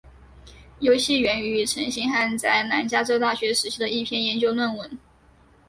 游戏源于陈星汉在南加州大学时期的一篇研究论文。